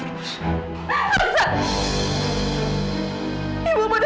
ibu benar benar kecewa sama kamu